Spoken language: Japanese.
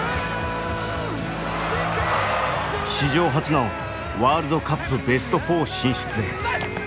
史上初のワールドカップベスト４進出へ。